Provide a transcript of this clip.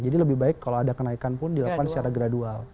jadi lebih baik kalau ada kenaikan pun dilakukan secara gradual